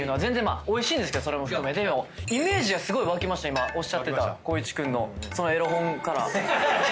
今おっしゃってた光一君のそのエロ本から。